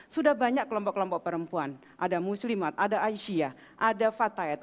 sudah banyak kelompok kelompok perempuan ada muslimat ada aisyah ada fatayat